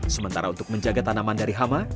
sementara untuk menjaga tanaman dari hama